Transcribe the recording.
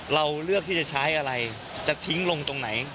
เราเลือกที่จะใช้อะไรจะทิ้งลงตรงไหน